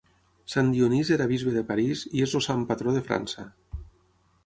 Sant Dionís era Bisbe de París i és el Sant patró de França.